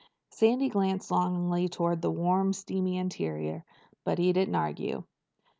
Sandy glanced longingly toward the warm steamy interior, but he didn't argue.